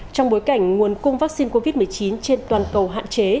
trong bối cảnh nguồn cung vaccine covid một mươi chín trên toàn cầu hạn chế